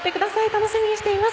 楽しみにしております。